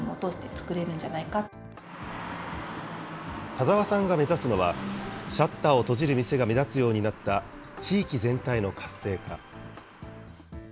田澤さんが目指すのは、シャッターを閉じる店が目立つようになった地域全体の活性化。